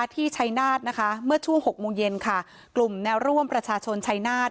ที่ชัยนาธนะคะเมื่อช่วง๖โมงเย็นค่ะกลุ่มแนวร่วมประชาชนชัยนาธิ